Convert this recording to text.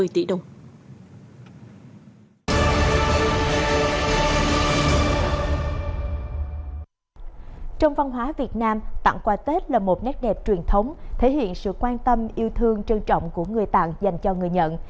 trong văn hóa việt nam tặng quà tết là một nét đẹp truyền thống thể hiện sự quan tâm yêu thương trân trọng của người tặng dành cho người nhận